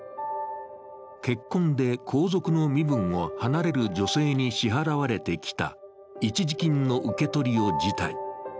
結婚で皇族の身分を離れる女性に支払われてきた一時金の受け取りを辞退。